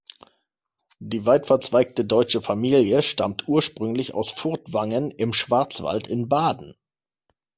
Die weitverzweigte deutsche Familie stammt ursprünglich aus Furtwangen im Schwarzwald in Baden.